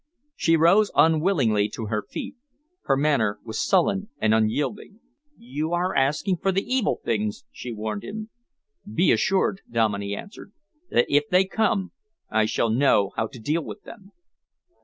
She rose unwillingly to her feet. Her manner was sullen and unyielding. "You are asking for the evil things," she warned him. "Be assured," Dominey answered, "that if they come I shall know how to deal with them."